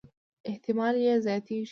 احتمالي یې زياتېږي.